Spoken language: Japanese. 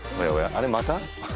あれまた？